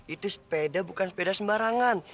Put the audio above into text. itu sepeda bukan sepeda sembarangan